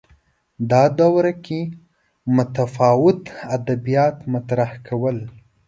دا دوره کې متفاوت ادبیات مطرح کول